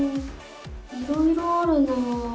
いろいろあるなあ。